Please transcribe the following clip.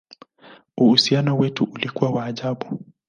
Uhusiano wetu ulikuwa wa ajabu!